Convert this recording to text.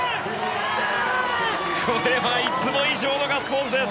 これはいつも以上のガッツポーズです。